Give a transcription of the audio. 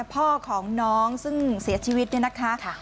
พ่อของน้องซึ่งเสียชีวิตเนี่ยนะคะ